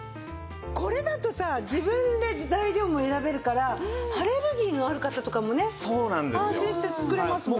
これだとさ自分で材料も選べるからアレルギーのある方とかもね安心して作れますもんね。